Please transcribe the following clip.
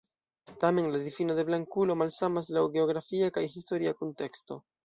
Tamen, la difino de "blankulo" malsamas laŭ geografia kaj historia kunteksto.